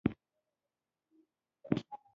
احمد د نوي کار تړون وکړ.